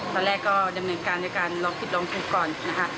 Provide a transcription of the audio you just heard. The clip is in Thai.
ตอนแรกก็ดำเนินการดำเนินการล้องพริกล้องพริกก่อน